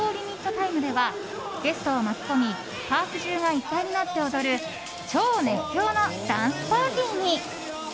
タイムではゲストを巻き込みパーク中が一体となって踊る超熱狂のダンスパーティーに！